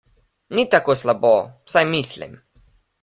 Ni tako slabo, vsaj mislim.